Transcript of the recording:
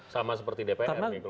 sama seperti dpr nih kalau kayak gitu